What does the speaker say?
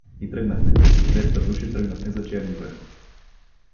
И тръгнахме, двеста души тръгнахме за Черни връх.